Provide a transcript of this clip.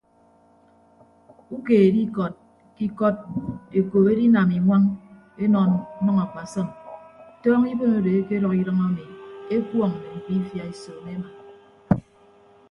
Ukeed ikọd ke ikọd ekop edinam iñwañ enọ nnʌñ akpasọm tọọñọ ibon odo ekedʌk idʌñ ami ekuọñ mme mkpiifia esoomo ema.